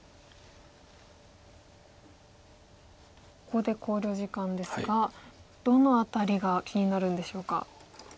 ここで考慮時間ですがどの辺りが気になるんでしょうか。